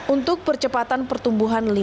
untuk percepatan pertumbuhan